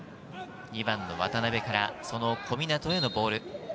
２番の渡邊から小湊へのボール。